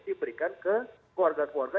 diberikan ke keluarga keluarga